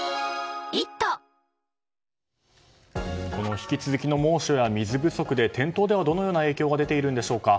引き続きの猛暑や水不足で店頭ではどのような影響が出ているんでしょうか。